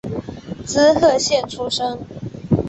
滋贺县出身。